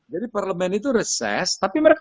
jadi parlemen itu reses tapi mereka